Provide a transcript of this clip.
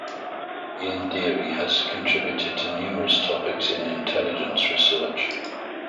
Ian Deary has contributed to numerous topics in intelligence research.